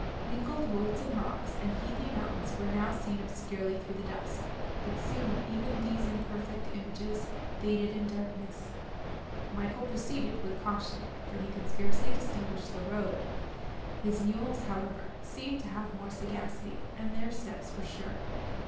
Mingled woods, and rocks, and heathy mountains were now seen obscurely through the dusk; but soon even these imperfect images faded in darkness. Michael proceeded with caution, for he could scarcely distinguish the road; his mules, however, seemed to have more sagacity, and their steps were sure.